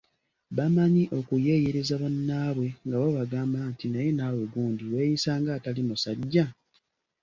Bamanyi okuyeeyereza bannaabwe nga babagamba nti,"Naye naawe gundi weeyisa ng'atali musajja!